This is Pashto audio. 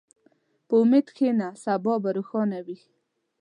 په امید کښېنه، سبا به روښانه وي.